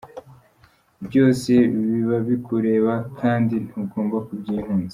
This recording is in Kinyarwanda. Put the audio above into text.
Byose biba bikureba kandi ntugomba kubyihunza.